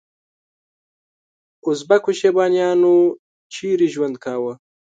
ازبکو شیبانیانو چیرته ژوند کاوه؟